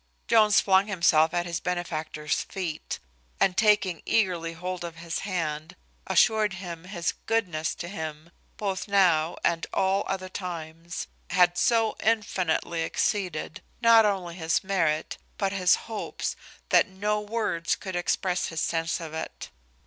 Jones flung himself at his benefactor's feet, and taking eagerly hold of his hand, assured him his goodness to him, both now and all other times, had so infinitely exceeded not only his merit but his hopes, that no words could express his sense of it.